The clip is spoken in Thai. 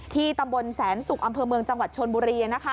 ตำบลแสนสุกอำเภอเมืองจังหวัดชนบุรี